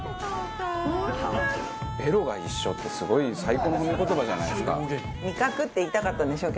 ベロが一緒ってすごい最高の褒め言葉じゃないですか。